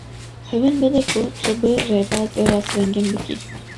Hewil bide ku tu bi rêbazê rast rengîn bikî.